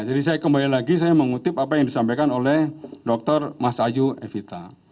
jadi saya kembali lagi saya mengutip apa yang disampaikan oleh dr mas aju evita